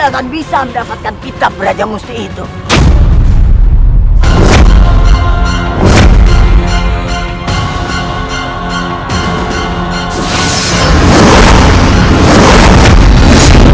aku tidak akan memiliki kitab